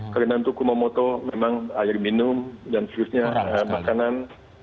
karena itu kumamoto memang air minum dan seluruhnya makanan